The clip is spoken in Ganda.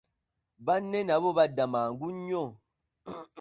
Banne nabo badda mangu nnyo.